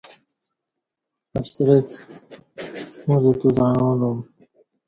ا شترک اوزہ توزعݩالوم